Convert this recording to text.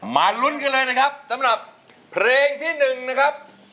มารุ่นกันเลยนะครับสำหรับเปล่งที่หนึ่งนะครับ